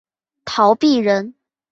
陶弼人。